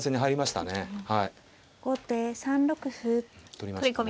取りましたね。